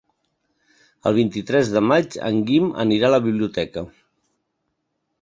El vint-i-tres de maig en Guim anirà a la biblioteca.